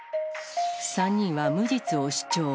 ３人は無実を主張。